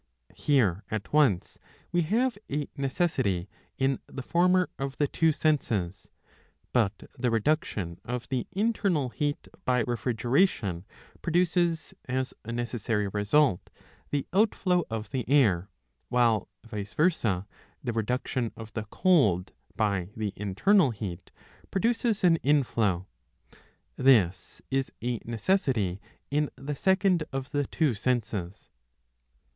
Here at once we have a necessity [in the former of the two senses]. But the reduction of the internal heat by refrigeration produces [as a necessary result] the outflow of the air, while vice versd the reduction of the cold by the internal heat produces an inflow. [This is a necessity in the second of the two senses.